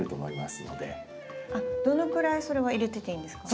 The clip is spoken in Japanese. どのくらいそれは入れてていいんですか？